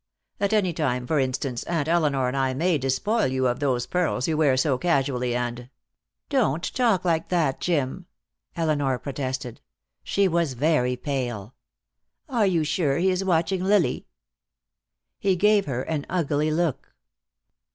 At any time, for instance, Aunt Elinor and I may despoil you of those pearls you wear so casually, and " "Don't talk like that, Jim," Elinor protested. She was very pale. "Are you sure he is watching Lily?" He gave her an ugly look.